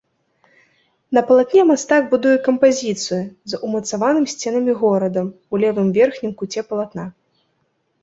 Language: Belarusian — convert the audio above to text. На палатне мастак будуе кампазіцыю з умацаваным сценамі горадам у левым верхнім куце палатна.